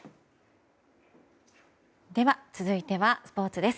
続いてはスポーツです。